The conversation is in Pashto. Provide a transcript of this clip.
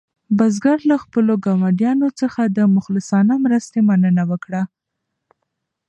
بزګر له خپلو ګاونډیانو څخه د مخلصانه مرستې مننه وکړه.